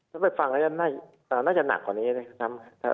ถ้าไปฟังแล้วน่าจะหนักกว่านี้นะครับ